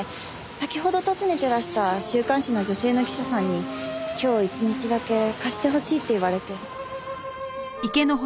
先ほど訪ねてらした週刊誌の女性の記者さんに今日１日だけ貸してほしいって言われて。